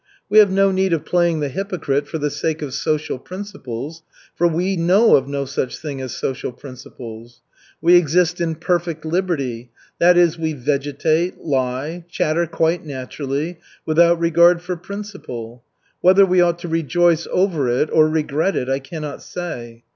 We have no need of playing the hypocrite for the sake of social principles, for we know of no such thing as social principles. We exist in perfect liberty, that is, we vegetate, lie, chatter quite naturally, without regard for principle. Whether we ought to rejoice over it or regret it, I cannot say.